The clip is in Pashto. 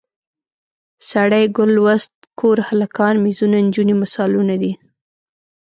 سړی، ګل، لوست، کور، هلکان، میزونه، نجونې مثالونه دي.